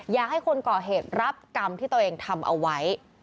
อยากให้คนก่อเหตุรับกรรมที่ตัวเองทำเอาไว้